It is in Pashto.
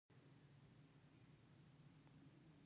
غل د بل ګټه په وړیا توګه اخلي